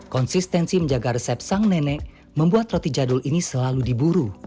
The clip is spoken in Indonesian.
konsistensi menjaga resep sang nenek membuat roti jadul ini selalu diburu